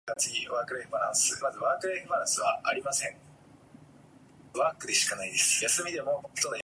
In this sentence, the speaker is talking about an action that someone confessed to.